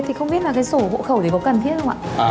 thì không biết là cái sổ hộ khẩu đấy có cần thiết không ạ